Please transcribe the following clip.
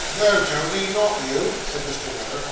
'No, Tony, not you,' said Mr. Weller.